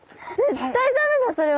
絶対駄目だそれは！